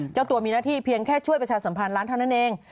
เจ้าตัวมีหน้าที่เพียงแค่ช่วยประชาสัมพันธ์ร้านเท่านั้นเอง